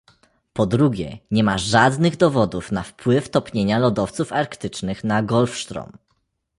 Po drugie, nie ma żadnych dowodów na wpływ topnienia lodowców arktycznych na Golfsztrom